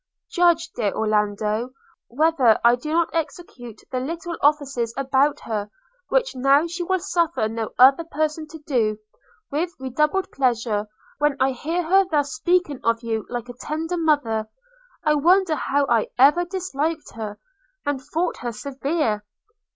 Judge, dear Orlando! whether I do not execute the little offices about her, which now she will suffer no other person to do, with redoubled pleasure, when I hear her thus speaking of you like a tender mother! I wonder how I ever disliked her, and thought her severe.